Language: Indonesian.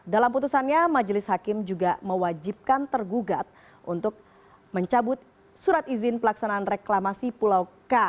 dalam putusannya majelis hakim juga mewajibkan tergugat untuk mencabut surat izin pelaksanaan reklamasi pulau k